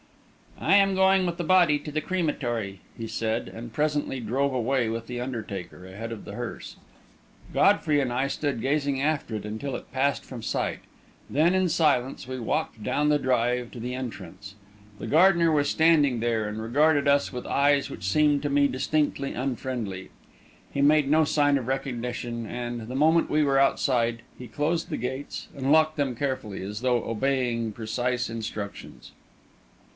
"I am going with the body to the crematory," he said, and presently drove away with the undertaker, ahead of the hearse. Godfrey and I stood gazing after it until it passed from sight, then, in silence, we walked down the drive to the entrance. The gardener was standing there, and regarded us with eyes which seemed to me distinctly unfriendly. He made no sign of recognition, and, the moment we were outside, he closed the gates and locked them carefully, as though obeying precise instructions.